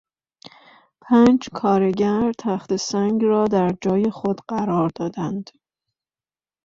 پنج کارگر تخته سنگ را در جای خود قرار دادند.